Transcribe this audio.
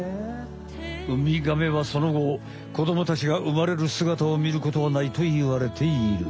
ウミガメはそのご子どもたちが産まれるすがたを見ることはないといわれている。